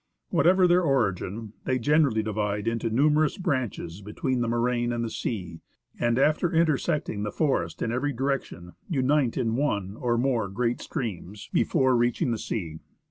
Whatever their origin, they generally divide into numerous branches between the moraine and the sea, and after intersecting the forest in every direction, unite in one or more great streams before reaching the sea.